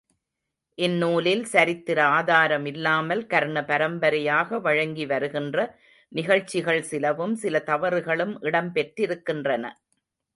இந்நூலில் சரித்திர ஆதாரமில்லாமல் கர்ண பரம்பரையாக வழங்கி வருகின்ற நிகழ்ச்சிகள் சிலவும், சில தவறுகளும் இடம் பெற்றிருக்கின்றன.